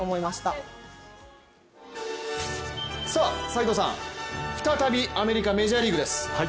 斎藤さん、再びアメリカ・メジャーリーグです。